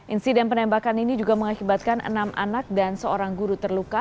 insiden penembakan ini juga mengakibatkan enam anak dan seorang guru terluka